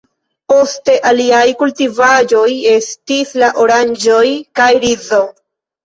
Poste aliaj kultivaĵoj estis la oranĝoj kaj rizo.